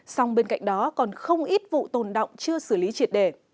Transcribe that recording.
song bên cạnh đó còn không ít vụ tồn động chưa xử lý triệt đề